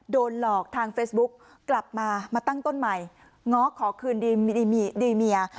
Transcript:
โดนหลอกทางเฟซบุ๊กกลับมามาตั้งต้นใหม่ง้อขอคืนดีเมีย